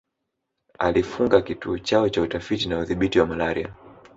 Alifunga Kituo chao cha Utafiti na Udhibiti wa malaria